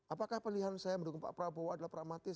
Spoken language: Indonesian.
apakah pilihan saya mendukung pak prabowo adalah pragmatis